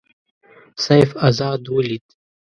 سیف آزاد ولید.